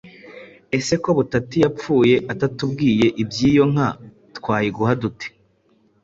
ese ko butati yapfuye atatubwiye iby’iyo nka twayiguha dute,